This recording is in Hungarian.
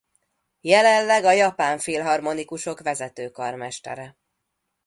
Jelenleg a Japán Filharmonikusok vezető karmestere.